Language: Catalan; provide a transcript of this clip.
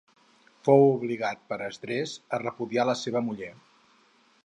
Fou obligat per Esdres a repudiar a la seva muller.